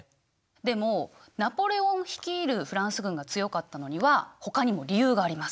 でもナポレオン率いるフランス軍が強かったのにはほかにも理由があります。